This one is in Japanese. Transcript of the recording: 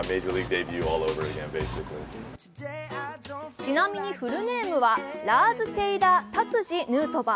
ちなみに、フルネームはラーズ・テイラー・タツジ・ヌートバー。